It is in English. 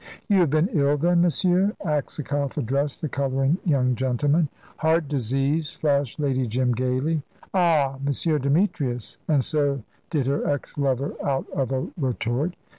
"You have been ill then, monsieur"; Aksakoff addressed the colouring young gentleman. "Heart disease," flashed Lady Jim, gaily "Ah, M. Demetrius!" and so did her ex lover out of a retort.